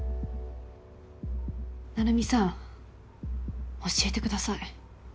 成海さん教えてください。